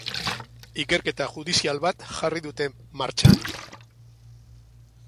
Ikerketa judizial bat jarri dute martxan.